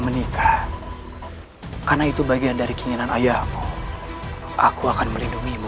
menikah karena itu bagian dari keinginan ayahmu aku akan melindungimu